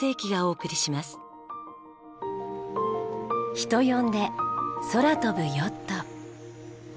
人呼んで空飛ぶヨット。